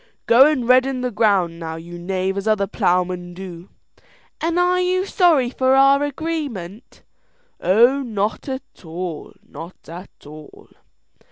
"Go on and redden the ground now, you knave, as other ploughmen do." "An' are you sorry for our agreement?" "Oh, not at all, not at all!"